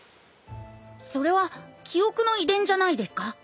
それは記憶の遺伝じゃないですか？